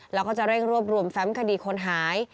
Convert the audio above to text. แล้วก็จะเร่งรวบรวมแฟมคดีคนหาย